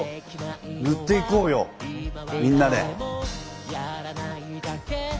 塗っていこうよみんなで。